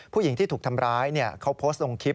ผู้หญิงที่ถูกทำร้ายเขาโพสต์ลงคลิป